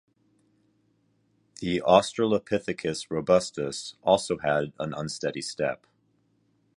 The Australopithecus Robustus also had an unsteady step.